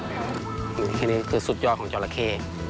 นี่แค่นี้คือสุดยอดของจอร์ละเข้